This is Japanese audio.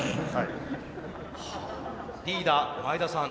リーダー前田さん